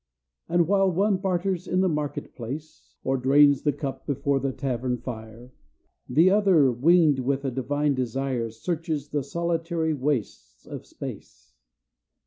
And while one barters in the market place, Or drains the cup before the tavern fire, The other, winged with a divine desire, searches the solitary wastes of space.